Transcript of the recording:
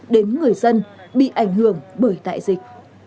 đến người dân bị ảnh hưởng bởi đại dịch